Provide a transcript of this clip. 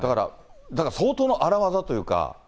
だから相当のあらわざというか。